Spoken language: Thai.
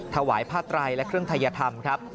ถวายผ้าไตรและเครื่องทัยธรรมครับ